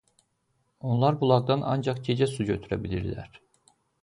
Onlar bulaqdan ancaq gecə su götürə bilirlər.